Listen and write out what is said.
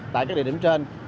tại các địa điểm trên